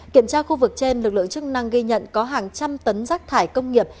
kiểm tra khu vực trên lực lượng chức năng ghi nhận có hàng trăm tấn rác thải công nghiệp